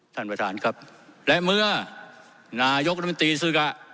ท่านประธานครับและเมื่อนายกรัฐมนตรีศึกอ่ะ